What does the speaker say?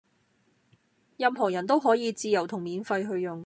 任何人都可以自由同免費去用